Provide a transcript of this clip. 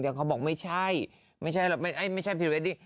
แต่เขาบอกไม่ใช่ไม่ใช่พรีเวดดิ้ง